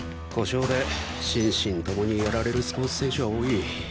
故障で心身共にやられるスポーツ選手は多い。